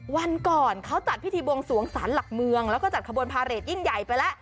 วันก่อนเขาจัดพิธีบวงสวงสารหลักเมืองแล้วก็จัดขบวนพาเรทยิ่งใหญ่ไปแล้ว